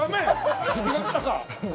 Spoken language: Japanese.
違ったか。